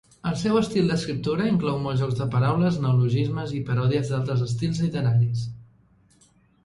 El seu estil d'escriptura inclou molts jocs de paraules, neologismes i parodies d'altres estils literaris.